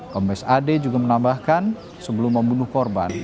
kombes ad juga menambahkan sebelum membunuh korban